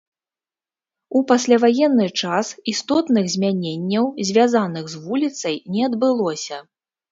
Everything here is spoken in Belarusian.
У пасляваенны час істотных змяненняў, звязаных з вуліцай, не адбылося.